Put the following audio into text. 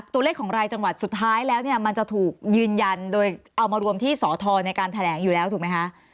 ตัวเลขของรายจังหวัดสุดท้ายแล้วเนี่ยมันจะถูกยืนยันโดยเอามารวมที่สอทรในการแถลงอยู่แล้วถูกไหมคะ